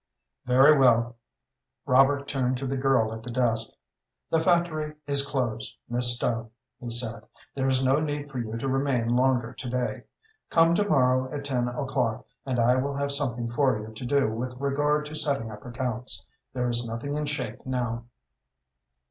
"Very well." Robert turned to the girl at the desk. "The factory is closed, Miss Stone," he said; "there is no need for you to remain longer to day. Come to morrow at ten o'clock, and I will have something for you to do with regard to settling up accounts. There is nothing in shape now."